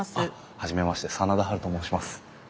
初めまして真田ハルと申します。